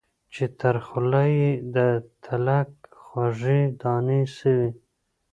چي تر خوله یې د تلک خوږې دانې سوې